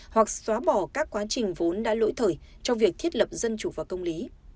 hoặc xóa bỏ các quá trình vốn đã lỗi thời trong việc thiết lập dân chủ và công lý